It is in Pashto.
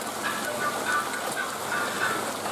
ځینې کتابونه د پاچاهانو په حکم لیکل سوي.